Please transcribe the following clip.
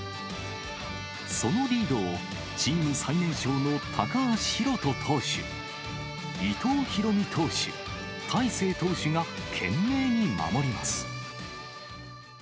そのリードを、チーム最年少の高橋宏斗投手、伊藤大海投手、大勢投手が懸命に守ります。